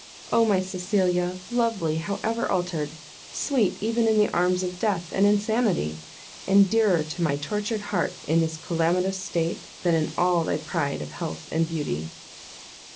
Oh my Cecilia! lovely, however altered! sweet even in the arms of death and insanity! and dearer to my tortured heart in this calamitous state, than in all thy pride of health and beauty!"